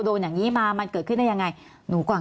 ก็สงสัยเรื่องทั้งหมดที่เกิดขึ้นเลยว่ามันได้ไหม